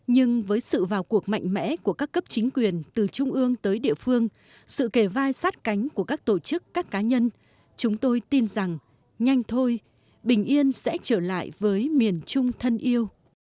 nhưng với sự vào cuộc mạnh mẽ của các cấp chính quyền từ trung ương tới địa phương sự kề vai sát cánh của các tổ chức các cá nhân chúng tôi tin rằng nhanh thôi bình yên sẽ trở lại với miền trung thân yêu